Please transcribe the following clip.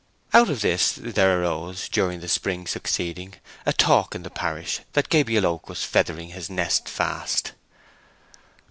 Out of this there arose, during the spring succeeding, a talk in the parish that Gabriel Oak was feathering his nest fast.